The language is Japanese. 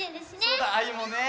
そうだアユもね。